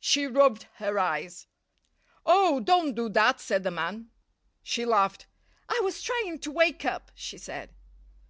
She rubbed her eyes. "Oh! don't do that," said the man. She laughed. "I was trying to wake up," she said.